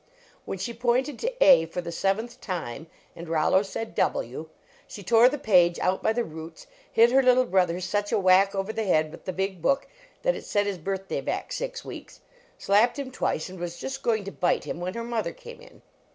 When she pointed to "A" for the seventh time, and Rollo said "W," she tore the page out by the roots, hit her little brother such a whack over the head with the big book that it set his birthday back six weeks, slapped him twice, and was just going to bite him, when her mother came in.